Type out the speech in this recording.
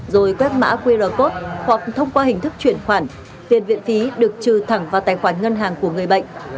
rồi quét mã qr code hoặc thông qua hình thức chuyển khoản tiền viện phí được trừ thẳng vào tài khoản ngân hàng của người bệnh